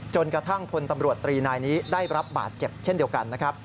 จนกระทั่งพลตำรวจตรีนายนี้ได้รับบาดเจ็บเช่นเดียวกันนะครับ